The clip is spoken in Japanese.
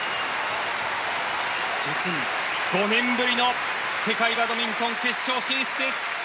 実に５年ぶりの世界バドミントン決勝進出です。